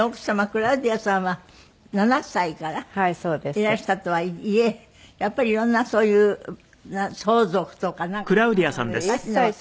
クラウディアさんは７歳からいらしたとはいえやっぱり色んなそういう相続とかなんかそういう事難しいの。